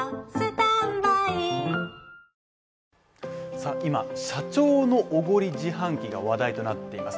さあ、今社長のおごり自販機が話題となっています。